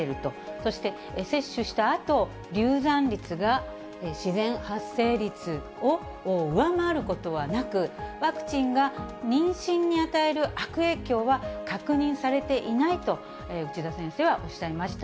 そして接種したあと、流産率が自然発生率を上回ることはなく、ワクチンが妊娠に与える悪影響は確認されていないと、内田先生はおっしゃいました。